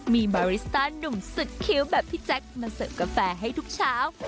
มีมาริสต้านุ่มสุดคิ้วแบบพี่แจ๊คมาเสิร์ฟกาแฟให้ทุกเช้า